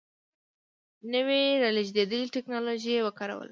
نوې رالېږدېدلې ټکنالوژي یې وکاروله.